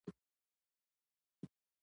غریب د زړونو ښیګڼه خوښوي